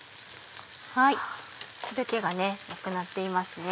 汁気がなくなっていますね。